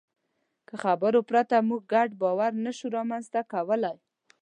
له خبرو پرته موږ ګډ باور نهشو رامنځ ته کولی.